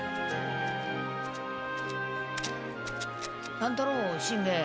乱太郎しんべヱ。